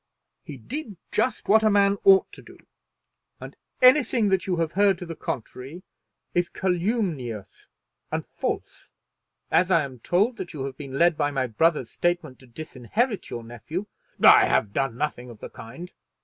He did just what a man ought to do, and anything that you have heard to the contrary is calumnious and false. As I am told that you have been led by my brother's statement to disinherit your nephew " "I have done nothing of the kind."